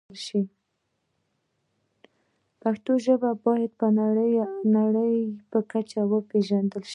پښتو ژبه باید د نړۍ په کچه پېژندل شي.